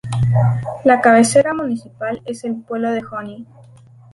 La cabecera municipal es el pueblo de Honey.